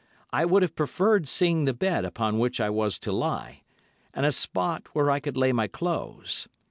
I would have preferred seeing the bed upon which I was to lie, and a spot where I could lay my clothes.